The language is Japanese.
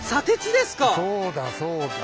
そうだそうだ。